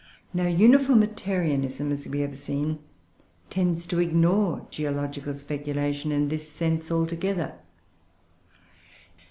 Now Uniformitarianism, as we have seen, tends to ignore geological speculation in this sense altogether.